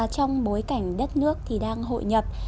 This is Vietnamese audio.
trong bối cảnh đất nước thì đang hội nhập